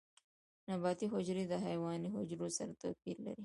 نباتي حجرې د حیواني حجرو سره توپیر لري